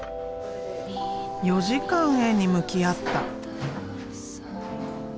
４時間絵に向き合った。